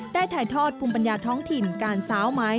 ถ่ายทอดภูมิปัญญาท้องถิ่นการสาวไหม